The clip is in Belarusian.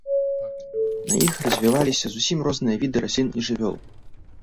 На іх развіваліся зусім розныя віды раслін і жывёл.